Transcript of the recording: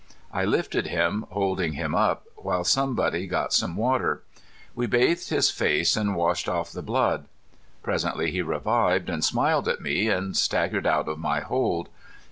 I lifted him, holding him up, while somebody got some water. We bathed his face and washed off the blood. Presently he revived, and smiled at me, and staggered out of my hold.